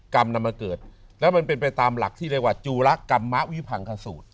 นำมาเกิดแล้วมันเป็นไปตามหลักที่เรียกว่าจูระกรรมมะวิพังคสูตร